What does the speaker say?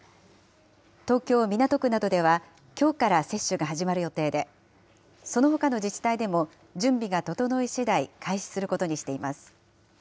東京・港区などではきょうから接種が始まる予定で、そのほかの自治体でも準備が整い次第、開始することにしています。